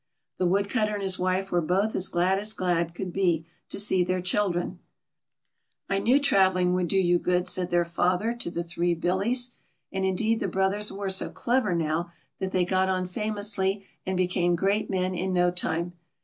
The Woodcutter and his wife were both as glad as glad could be to see their children. "I knew travelling would do you good," said their 2l8 £A TTY. father to the three BiUies ; and, indeed, the brothers were so clever now that they got on famously and became great men in no time.